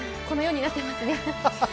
このようになってますね。